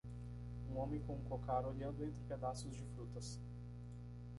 Um homem com um cocar olhando entre pedaços de frutas.